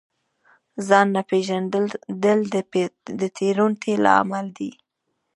ځان نه پېژندل د تېروتنې لامل دی.